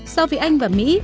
so với anh và mỹ